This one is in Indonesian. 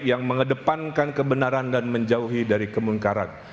yang mengedepankan kebenaran dan menjauhi dari kemungkaran